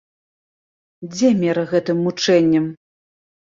Дзе мера гэтым мучэнням?